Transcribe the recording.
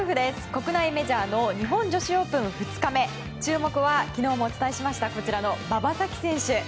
国内メジャーの日本女子２日目注目は、昨日もお伝えしました馬場咲希選手。